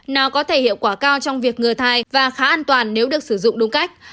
nào có thể hiệu quả cao trong việc ngừa thai và khá an toàn nếu được sử dụng đúng cách